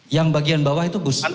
yang bagian bawah itu busan